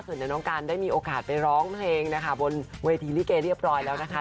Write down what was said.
จะได้มีโอกาสไปร้องเพลงบนเวทีคุณแบบริเกษเรียบร้อยแล้วนะคะ